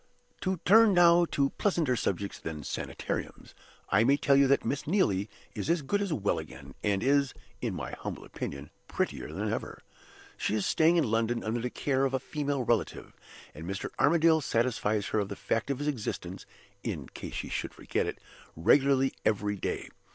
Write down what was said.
"To turn now to pleasanter subjects than Sanitariums, I may tell you that Miss Neelie is as good as well again, and is, in my humble opinion, prettier than ever. She is staying in London under the care of a female relative; and Mr. Armadale satisfies her of the fact of his existence (in case she should forget it) regularly every day.